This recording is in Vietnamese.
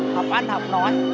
học ăn học nói